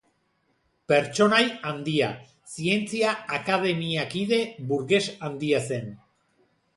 Pertsonai handia, zientzia akademiakide, burges handia zen.